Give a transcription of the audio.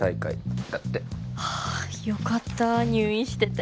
はあよかった入院してて。